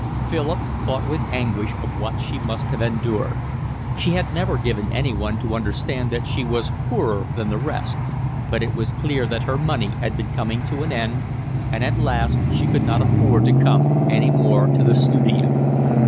Philip thought with anguish of what she must have endured. She had never given anyone to understand that she was poorer than the rest, but it was clear that her money had been coming to an end, and at last she could not afford to come any more to the studio.